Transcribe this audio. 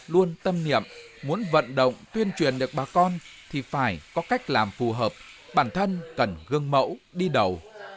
luôn tâm niệm muốn vận động tuyên truyền được bà con thì phải có cách làm phù hợp bản thân cần gương mẫu đi đầu